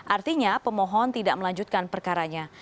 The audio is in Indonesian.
artinya pemohon tidak melanjutkan perkaranya